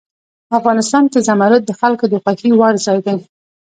افغانستان کې زمرد د خلکو د خوښې وړ ځای دی.